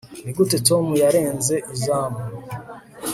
nigute tom yarenze izamu